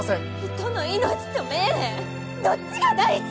人の命と命令どっちが大事！？